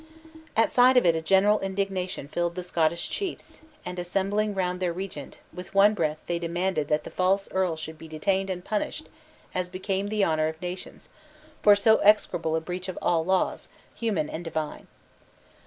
At sight of it a general indignation filled the Scottish chiefs, and assembling round their regent, with one breath they demanded that the false earl should be detained and punished as became the honor of nations, for so execrable a breach of all laws, human and divine.